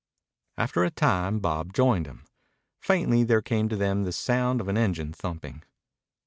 After a time Bob joined him. Faintly there came to them the sound of an engine thumping.